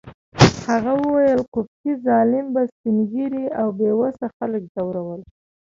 هغه وویل: قبطي ظالم به سپین ږیري او بې وسه خلک ځورول.